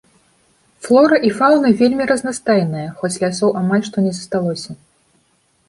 Флора і фаўна вельмі разнастайныя, хоць лясоў амаль што не засталося.